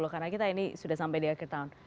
karena kita ini sudah sampai di akhir tahun